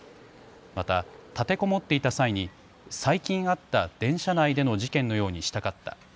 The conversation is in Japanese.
また、立てこもっていた際に最近あった電車内での事件のようにしたかった。